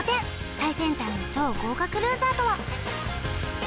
最先端の超豪華クルーザーとは？